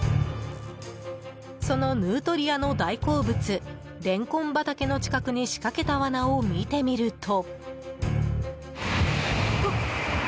そのヌートリアの大好物レンコン畑の近くに仕掛けた罠を見てみると。